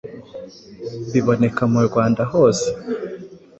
biboneka mu Rwanda hose